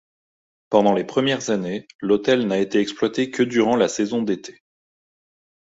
Pendant les premières années, l'hôtel n'a été exploité que durant la saison d'été.